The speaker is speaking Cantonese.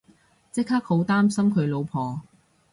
即刻好擔心佢老婆